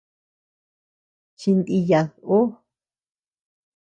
Chindiyad ú.